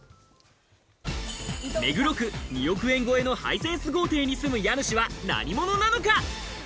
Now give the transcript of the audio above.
目黒区２億円ごえのハイセンス豪邸に住む家主は何者なのか？